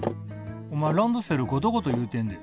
お前ランドセルゴトゴト言うてんで。